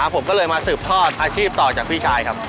ผมก็เลยมาสืบทอดอาชีพต่อจากพี่ชายครับ